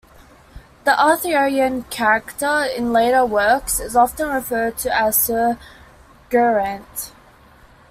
The Arthurian character in later works is often referred to as Sir Geraint.